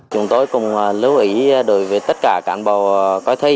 chúng tôi cũng lưu ý đối với tất cả cán bộ coi thi